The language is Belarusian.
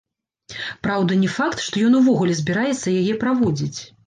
Праўда, не факт, што ён увогуле збіраецца яе праводзіць.